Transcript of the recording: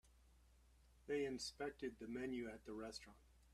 They inspected the menu at the restaurant.